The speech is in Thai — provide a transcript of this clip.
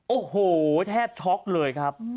โอ้โหแทบช็อกเลยครับ